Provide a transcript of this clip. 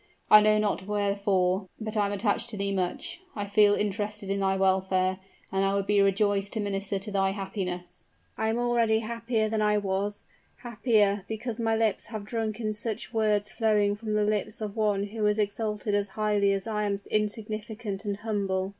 I know not wherefore, but I am attached to thee much. I feel interested in thy welfare, and I would be rejoiced to minister to thy happiness." "I am already happier than I was happier, because my lips have drunk in such words flowing from the lips of one who is exalted as highly as I am insignificant and humble."